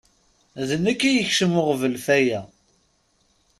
D nekk i yekcem uɣbel f aya.